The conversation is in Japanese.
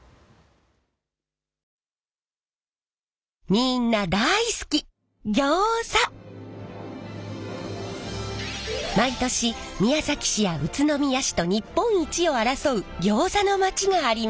みんな大好き毎年宮崎市や宇都宮市と日本一を争う「ギョーザのまち」があります。